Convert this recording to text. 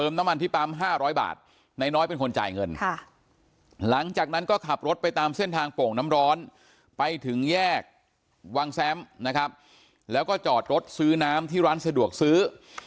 น้ำมันแซมนะครับแล้วก็จอดรถซื้อน้ำที่ร้านสะดวกซื้อ